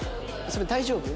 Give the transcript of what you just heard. それ大丈夫？